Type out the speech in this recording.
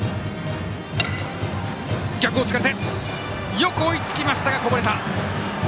よく追いつきましたが、こぼれた。